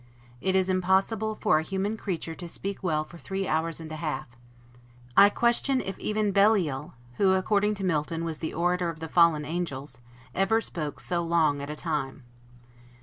It is impossible for a human creature to speak well for three hours and a half; I question even if Belial, who, according to Milton, was the orator of the fallen angels, ever spoke so long at a time.